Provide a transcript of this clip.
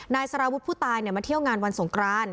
สารวุฒิผู้ตายมาเที่ยวงานวันสงคราน